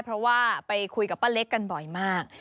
เพราะว่าไปคุยกับป้าเล็กกันบ่อยมาก